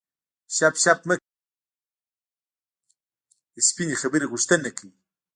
شف شف مه کوه شفتالو ووایه د سپینې خبرې غوښتنه کوي